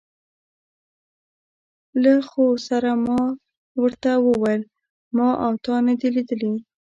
له خو سره ما ور ته وویل: ما او تا نه دي لیدلي.